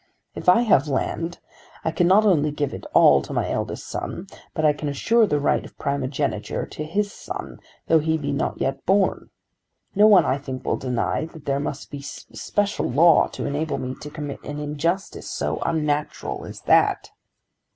If I have land I can not only give it all to my eldest son, but I can assure the right of primogeniture to his son, though he be not yet born. No one I think will deny that there must be a special law to enable me to commit an injustice so unnatural as that.